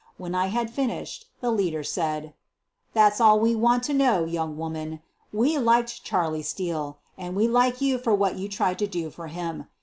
When I had finished the leader said: "That's all we want to know, young woman. We liked Charlie Steele, and we like you for what you tried to do for him.